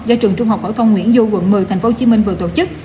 do trường trung học phổ thông nguyễn du quận một mươi tp hcm vừa tổ chức